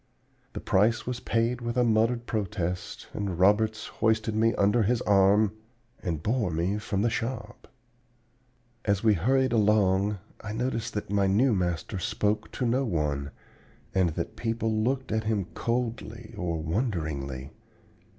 "The price was paid with a muttered protest and Roberts hoisted me under his arm and bore me from the shop. "As we hurried along, I noticed that my new master spoke to no one, and that people looked at him coldly or wonderingly.